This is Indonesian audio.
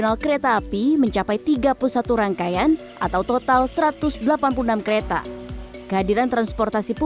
lrt tahap enam